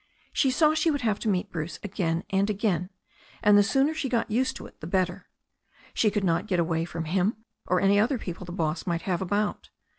She saw she would have to meet Bruce again and again, and the sooner she got used to it the better. She could not get away from him or any other people the boss might have about.